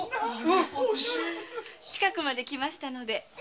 近くまで来ましたので。